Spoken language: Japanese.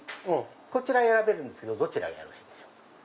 こちら選べるんですけどどちらがよろしいでしょうか？